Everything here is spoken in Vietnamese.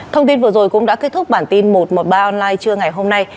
thông tin vừa rồi cũng đã kết thúc bản tin một trăm một mươi ba online trưa ngày hôm nay